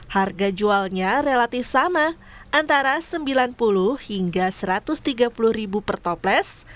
harga jualnya relatif sama antara rp sembilan puluh hingga rp satu ratus tiga puluh ribu per toples